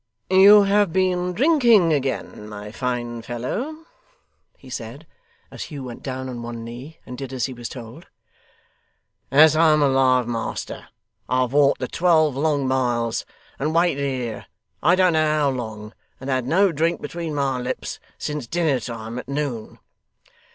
'You have been drinking again, my fine fellow,' he said, as Hugh went down on one knee, and did as he was told. 'As I'm alive, master, I've walked the twelve long miles, and waited here I don't know how long, and had no drink between my lips since dinner time at noon.